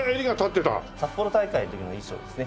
札幌大会の時の衣装ですね。